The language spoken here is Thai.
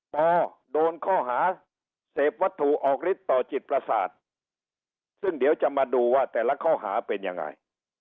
โดนข้อหาเสพวัตถุออกฤทธิต่อจิตประสาทซึ่งเดี๋ยวจะมาดูว่าแต่ละข้อหาเป็นยังไง